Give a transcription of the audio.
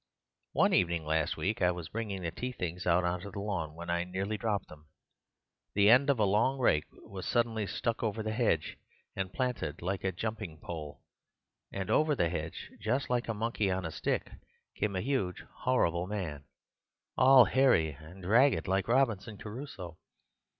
One evening last week I was bringing the tea things out on to the lawn when I nearly dropped them. The end of a long rake was suddenly stuck over the hedge, and planted like a jumping pole; and over the hedge, just like a monkey on a stick, came a huge, horrible man, all hairy and ragged like Robinson Crusoe.